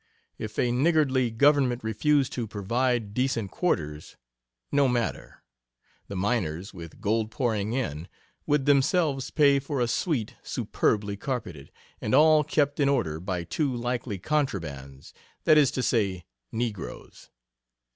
If a niggardly Government refused to provide decent quarters no matter; the miners, with gold pouring in, would themselves pay for a suite "superbly carpeted," and all kept in order by "two likely contrabands" that is to say, negroes.